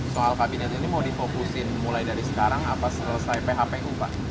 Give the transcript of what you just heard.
soal kabinet ini mau difokusin mulai dari sekarang apa selesai phpu pak